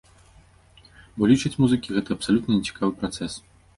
Бо, лічаць музыкі, гэта абсалютна не цікавы працэс.